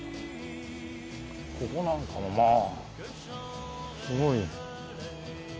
ここなんかもまあすごい。